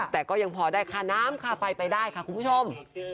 แต่ก็ยังพอได้ค่าน้ำค่าไฟไปได้ค่ะคุณผู้ชม